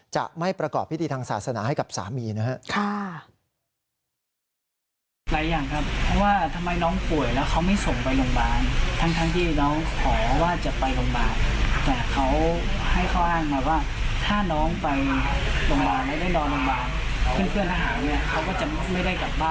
จะไม่ประกอบพิธีทางศาสนาให้กับสามีนะครับ